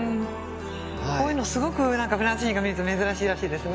こういうのすごくフランス人が見るとね珍しいらしいですね。